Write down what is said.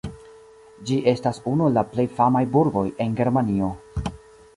Ĝi estas unu el la plej famaj burgoj en Germanio.